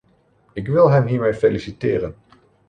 Ik wil hem hiermee feliciteren!